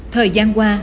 thời gian qua